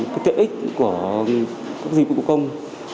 cái tiện ích của dịch vụ công